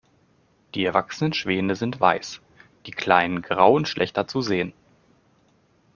Die erwachsenen Schwäne sind weiß, die kleinen grau und schlechter zu sehen.